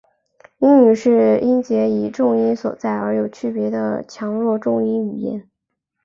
英语是音节以重音所在而有区别的强弱重音语言。